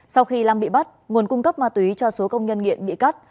sau khi long bị bắt nguồn cung cấp ma túy cho số công nhân nghiện bị cắt